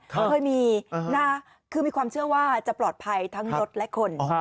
เคยมีนะคือมีความเชื่อว่าจะปลอดภัยทั้งรถและคน